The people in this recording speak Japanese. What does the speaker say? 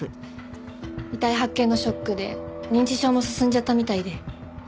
遺体発見のショックで認知症も進んじゃったみたいで。